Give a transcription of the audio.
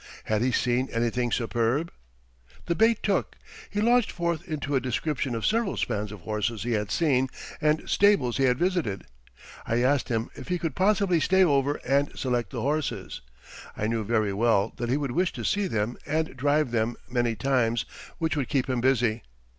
Had he seen anything superb? The bait took. He launched forth into a description of several spans of horses he had seen and stables he had visited. I asked him if he could possibly stay over and select the horses. I knew very well that he would wish to see them and drive them many times which would keep him busy.